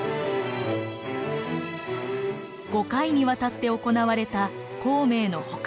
５回にわたって行われた孔明の北伐。